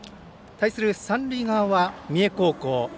対する三塁側は三重高校。